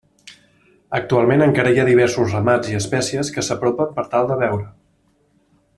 Actualment encara hi ha diversos ramats i espècies que s'apropen per tal de veure.